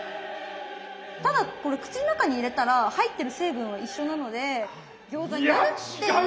ただこれ口の中に入れたら入ってる成分は一緒なので餃子かなっていう。